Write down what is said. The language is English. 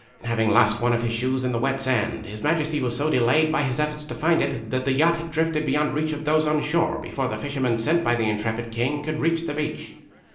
Having lost one of his shoes in the wet sand, His Majesty was so delayed by his efforts to find it that the yacht had drifted beyond reach of those on shore before the fishermen sent by the intrepid King could reach the beach.